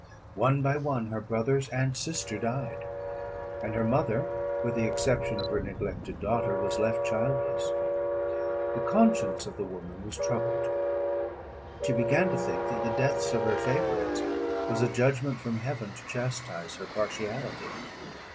"One by one, her brothers and sister died; and her mother, with the exception of her neglected daughter, was left childless. The conscience of the woman was troubled; she began to think that the deaths of her favourites was a judgment from heaven to chastise her partiality.